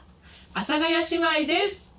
阿佐ヶ谷姉妹です。